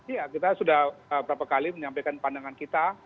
iya kita sudah berapa kali menyampaikan pandangan kita